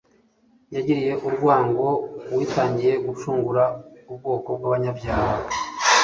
Yagiriye urwango uwitangiye gucungura ubwoko bw'abanyabyaha